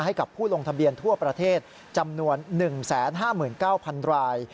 ให้กับผู้ลงทะเบียนทั่วประเทศจำนวน๑๕๙๐๐ราย